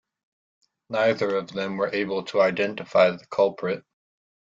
Neither of them were able to identify the culprit.